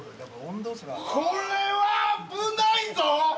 これは危ないぞ。